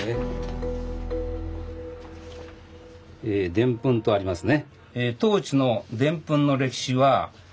「でん粉」とありますね。